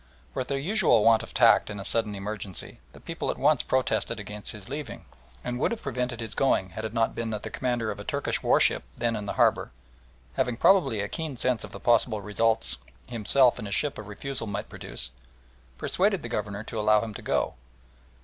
With their usual want of tact in a sudden emergency the people at once protested against his leaving, and would have prevented his going had it not been that the commander of a Turkish warship then in the harbour, having probably a keen sense of the possible results to himself and his ship a refusal might produce, persuaded the Governor to allow him to go.